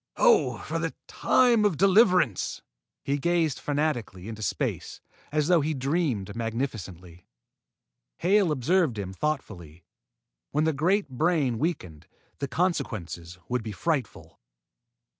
Oh, for the time of deliverance!" He gazed fanatically into space, as though he dreamed magnificently. Hale observed him thoughtfully. When that great brain weakened, the consequences would be frightful.